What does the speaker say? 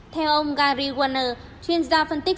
theo ông gary warner chuyên gia phân tích